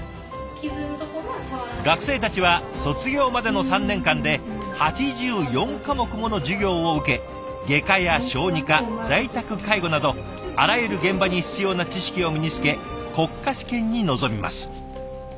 学生たちは卒業までの３年間で８４科目もの授業を受け外科や小児科在宅介護などあらゆる現場に必要な知識を身につけ国家試験に臨みます。